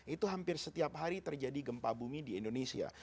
itu hampir setiap hari terjadi gempa bumi di indonesia